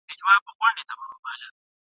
چي د مطرب له خولې مي نوم چا پېژندلی نه دی !.